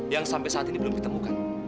yang sampai saat ini belum ditemukan